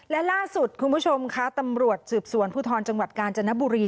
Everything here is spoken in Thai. และล่าสุดคุณผู้ชมค่ะตำรวจสืบสวนภูทรจังหวัดกาญจนบุรี